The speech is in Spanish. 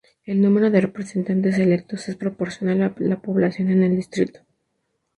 El número de representantes electos es proporcional a la población en el distrito.